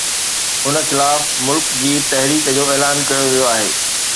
ان خلاف ملڪ گير تحريڪ جو اعلان ڪيو ويو آهي